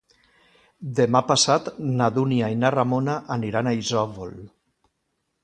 Demà passat na Dúnia i na Ramona aniran a Isòvol.